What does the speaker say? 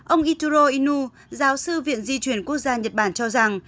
ông ituro inu giáo sư viện di chuyển quốc gia nhật bản cho rằng